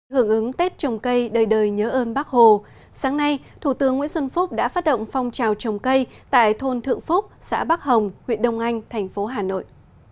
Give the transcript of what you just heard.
hưởng ứng tết trồng cây đời đời nhớ ơn bác hồ sáng nay thủ tướng nguyễn xuân phúc đã phát động phong trào trồng cây tại thôn thượng phúc xã bắc hồng huyện đông anh thành phố hà nội